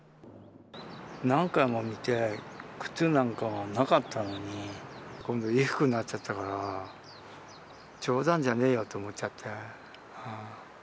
何回も見て、靴なんかはなかったのに、今度は衣服になっちゃったから、冗談じゃねえよと思っちゃって。